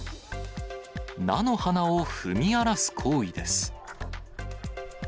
菜の花を踏み荒らす行為です。